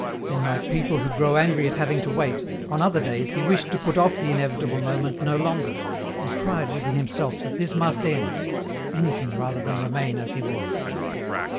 Then like people who grow angry at having to wait, on other days he wished to put off the inevitable moment no longer, and cried within himself that this must end; anything rather than remain as he was.